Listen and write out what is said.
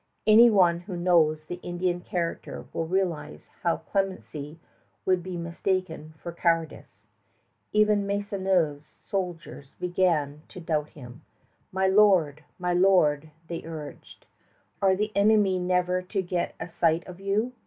Any one who knows the Indian character will realize how clemency would be mistaken for cowardice. Even Maisonneuve's soldiers began to doubt him. "My lord, my lord," they urged, "are the enemy never to get a sight of you?